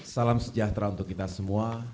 salam sejahtera untuk kita semua